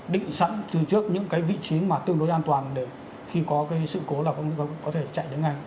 định sẵn từ trước những cái vị trí mà tương đối an toàn để khi có cái sự cố là không có thể chạy đến ngay